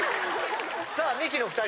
さあミキの２人。